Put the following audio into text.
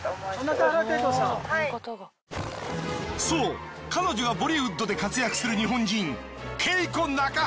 そう彼女がボリウッドで活躍する日本人